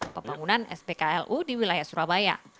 pembangunan spklu di wilayah surabaya